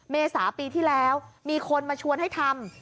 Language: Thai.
เมษาปีที่แล้วมีคนมาชวนให้ทำ